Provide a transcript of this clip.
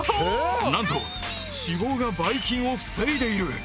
なんと脂肪がバイ菌を防いでいる。